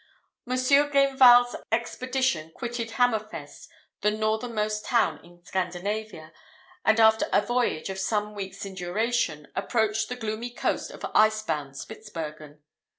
Mons. Gainvard's expedition quitted Hammerfest, the northernmost town in Scandinavia, and after a voyage of some weeks in duration, approached the gloomy coast of ice bound Spitzbergen.